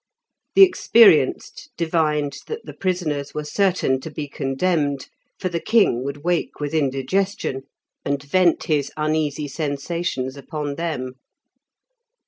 The experienced divined that the prisoners were certain to be condemned, for the king would wake with indigestion, and vent his uneasy sensations upon them.